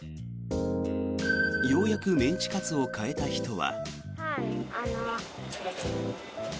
ようやくメンチカツを買えた人は。